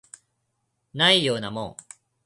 ないようなもん